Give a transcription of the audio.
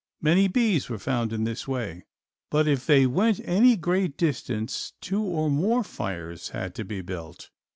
Many bees were found in this way, but if they went any great distance two or more fires had to be built.